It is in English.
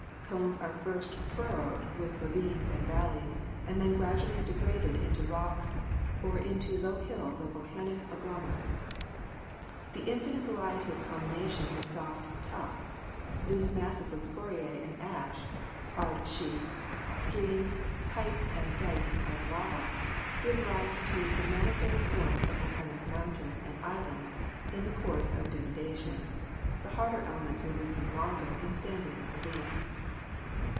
Cones are first furrowed with ravines and valleys and then gradually degraded into rocks or into low hills of volcanic agglomer ate. The infinite variety of combinations of soft tuffs, loose masses of scoriae and ash, hard sheets, streams, pipes and dykes of lava, give rise to the manifold forms of vol canic mountains and islands in the course of denudation, the harder elements resisting longer and standing in relief.